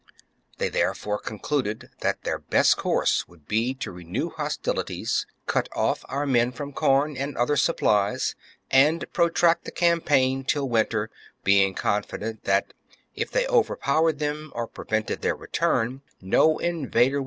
They therefore concluded that their best course would be to renew hostilities, cut off our men from corn and other supplies, and protract the campaign till winter, being confident that, if they overpowered them or prevented their return, no invader would ^ Ancient Britain, p.